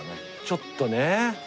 ちょっとね。